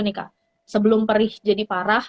nih kak sebelum perih jadi parah